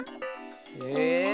え。